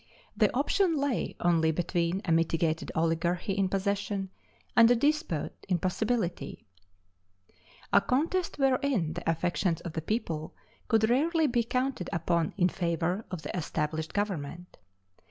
The option lay only between a mitigated oligarchy in possession, and a despot in possibility; a contest wherein the affections of the people could rarely be counted upon in favor of the established government.